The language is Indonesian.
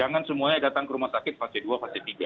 jangan semuanya datang ke rumah sakit fase dua fase tiga